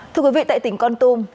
thưa quý vị tại tỉnh con tum